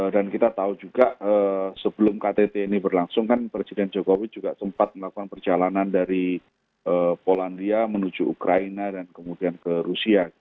dan kita tahu juga sebelum ktt ini berlangsung kan presiden jokowi juga sempat melakukan perjalanan dari polandia menuju ukraina dan kemudian ke rusia